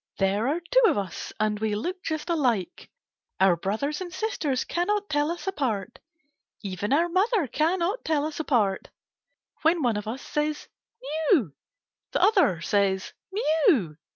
There are two of us, and we look just alike. Our brothers and sisters cannot tell us apart. Even our mother cannot tell us apart. When one of us says "Mew!" the other says "Mew!"